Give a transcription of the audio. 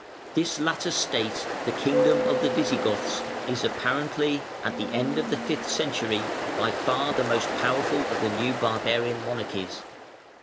This latter state, the kingdom of the Visigoths, is apparently, at the end of the fifth century, by far the most powerful of the new barbarian monarchies.